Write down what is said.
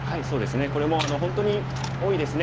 これも本当に多いですね。